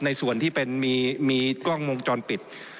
ในส่วนที่มีกล้องมงจรปิด